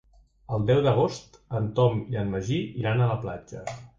El deu d'agost en Tom i en Magí iran a la platja.